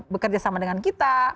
bekerja sama dengan kita